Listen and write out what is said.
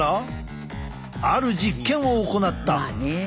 ある実験を行った。